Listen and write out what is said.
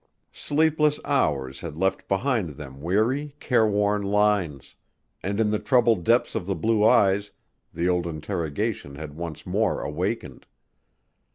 Sleepless hours had left behind them weary, careworn lines; and in the troubled depths of the blue eyes the old interrogation had once more awakened.